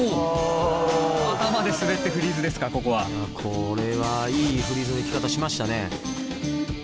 これはいいフリーズの行き方しましたね。